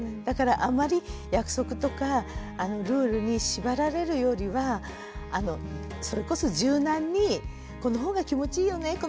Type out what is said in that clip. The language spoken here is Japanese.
だからあんまり約束とかルールに縛られるよりはそれこそ柔軟にこの方が気持ちいいよね